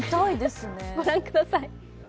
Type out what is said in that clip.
ご覧ください。